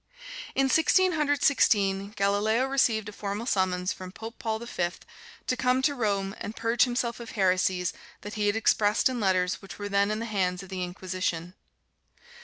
In Sixteen Hundred Sixteen, Galileo received a formal summons from Pope Paul the Fifth to come to Rome and purge himself of heresies that he had expressed in letters which were then in the hands of the Inquisition.